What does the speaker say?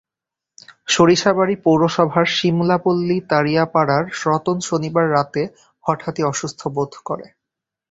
সরিষাবাড়ী পৌরসভার শিমলাপল্লী তাড়িয়াপাড়ার রতন শনিবার রাতে হঠাৎই অসুস্থ বোধ করে।